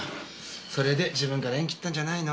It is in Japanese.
それで自分から縁切ったんじゃないの？